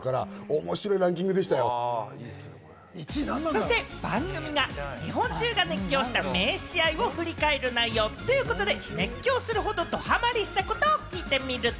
そして番組が、日本中が熱狂した名試合を振り返る内容ということで熱狂するほど、どハマりしたことを聞いてみると。